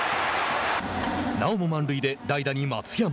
なおも満塁で代打に松山。